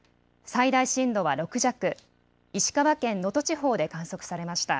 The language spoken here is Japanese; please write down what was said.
最大震度は６弱、石川県能登地方で観測されました。